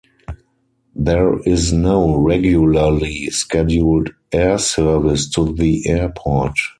There is no regularly scheduled air service to the airport.